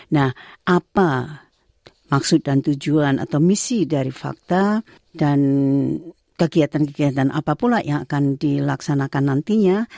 nah apa maksud dan tujuan atau misi dari fakta dan kegiatan kegiatan apapun yang akan dilaksanakan nantinya